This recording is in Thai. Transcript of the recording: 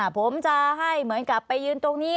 ผมจะให้เหมือนกับไปยืนตรงนี้